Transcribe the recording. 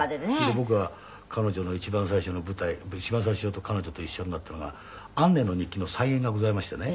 僕は彼女の一番最初の舞台一番最初彼女と一緒になったのが『アンネの日記』の再演がございましてね。